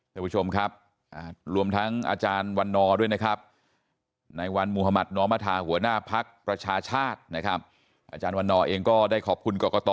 ด้วยนะครับในวันมุธมัติน้อมทหัวหน้าภักร์ประชาชาตินะครับอาจารย์วันหน่อเองก็ได้ขอบคุณกรกฎ